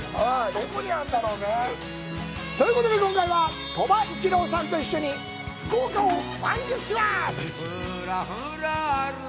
どこにあるんだろうね。ということで、今回は鳥羽一郎さんと一緒に福岡を満喫します！